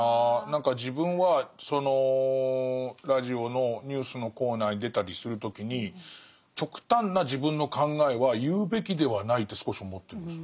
何か自分はそのラジオのニュースのコーナーに出たりする時に極端な自分の考えは言うべきではないって少し思ってるんです。